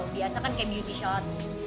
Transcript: biasa kan kayak beauty shot